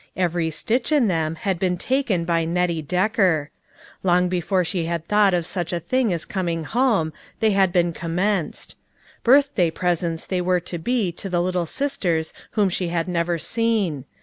Every stitch in them had been taken by Nettie Decker. Long before she had thought of such a thing as coming home, they had been commenced. Birthday presents they were to be to the little sisters whom she had never seen.